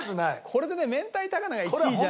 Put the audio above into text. これでね明太高菜が１位じゃ。